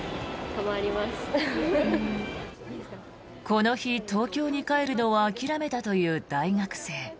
この日、東京に帰るのを諦めたという大学生。